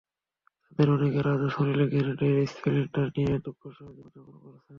তাঁদের অনেকে আজও শরীরে গ্রেনেডের স্প্লিন্টার নিয়ে দুঃসহ জীবন যাপন করছেন।